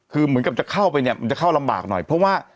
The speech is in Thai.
คือเหมือนกับจะเข้าไปเนี่ยมันจะเข้าลำบากหน่อยเพราะว่า